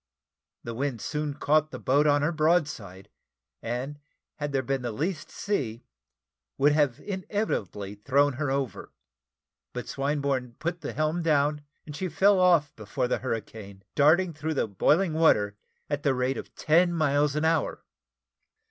The wind soon caught the boat on her broadside, and had there been the least sea, would have inevitably thrown her over; but Swinburne put the helm down, and she fell off before the hurricane, darting through the boiling water at the rate of ten miles an hour.